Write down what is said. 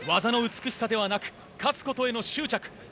技の美しさではなく勝つことへの執着。